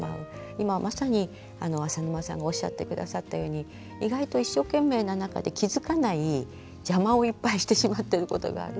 今まさに浅沼さんがおっしゃって下さったように意外と一生懸命な中で気付かない邪魔をいっぱいしてしまっていることがある。